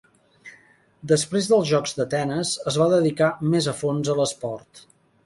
Després dels Jocs d'Atenes, es va dedicar més a fons a l'esport.